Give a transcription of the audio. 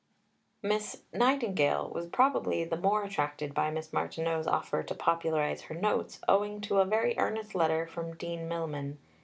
Miss Nightingale was probably the more attracted by Miss Martineau's offer to popularise her Notes owing to a very earnest letter from Dean Milman.